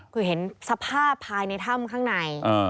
คือเห็นสภาพภายในถ้ำข้างใน